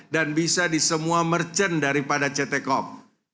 dan bisa di semua merchant daripada ctkop